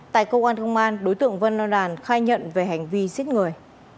tại công an thông an đối tượng vương văn đoàn khai nhận về hành vi giết người